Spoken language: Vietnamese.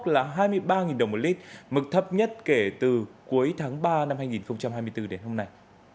là hai mươi ba đồng một lít mực thấp nhất kể từ cuối tháng ba năm hai nghìn hai mươi bốn đến hôm nay